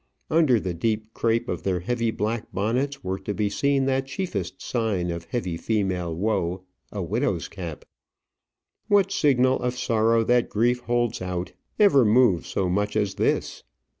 Under the deep crape of their heavy black bonnets were to be seen that chiefest sign of heavy female woe a widow's cap. What signal of sorrow that grief holds out, ever moves so much as this?